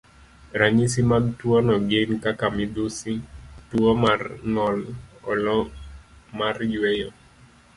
Ranyisi mag tuwono gin kaka midhusi, tuwo mar ng'ol, olo mar yweyo,